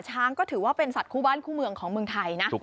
ช้างก็ถือว่าเป็นสัตว์คู่บ้านคู่เมืองของเมืองไทยนะ